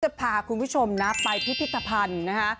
พาคุณผู้ชมนะไปพิพิธภัณฑ์นะคะ